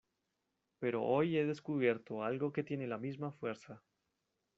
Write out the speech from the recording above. pero hoy he descubierto algo que tiene la misma fuerza.